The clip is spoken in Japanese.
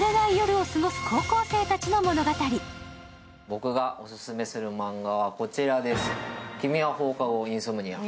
僕がお薦めする漫画はこちらです。